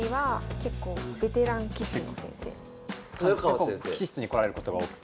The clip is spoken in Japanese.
結構棋士室に来られることが多くて。